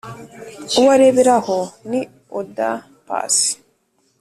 uwo areberaho, ni oda paccy,